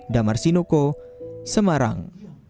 damar sinoko semarang